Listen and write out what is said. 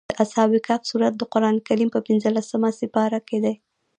د اصحاب کهف سورت د قران په پنځلسمه سېپاره کې دی.